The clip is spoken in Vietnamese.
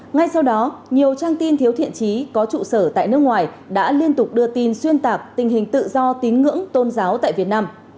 ngay sau đó nhiều trang tin thiếu thiện trí có trụ sở tại nước ngoài đã liên tục đưa tin xuyên tạc tình hình tự do tín ngưỡng tôn giáo tại việt nam